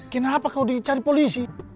kenapa kau dicari polisi